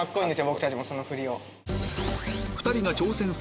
僕たちもそのフリを。